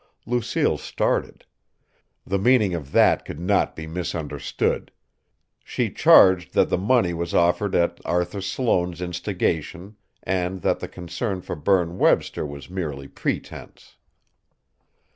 Lucille started. The meaning of that could not be misunderstood; she charged that the money was offered at Arthur Sloane's instigation and that the concern for Berne Webster was merely pretence.